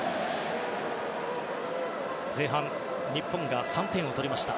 前半日本が３点を取りました。